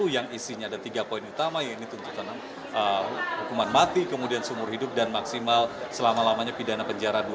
yang isinya ada tiga poin utama yaitu tuntutan hukuman mati kemudian seumur hidup dan maksimal selama lamanya pidana penjara